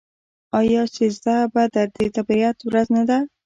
آیا سیزده بدر د طبیعت ورځ نه ده؟